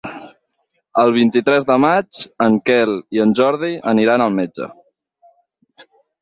El vint-i-tres de maig en Quel i en Jordi aniran al metge.